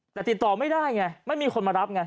แต่ติดต่อไม่ได้ไงไม่มีคนมารับไง